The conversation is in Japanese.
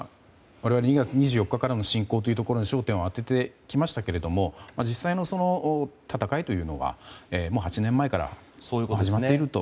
我々、２月２４日からの侵攻というところに焦点を当ててきましたけど実際の戦いというのは８年前から始まっていると。